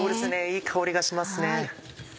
いい香りがしますね。